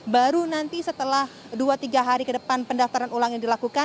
baru nanti setelah dua tiga hari ke depan pendaftaran ulang yang dilakukan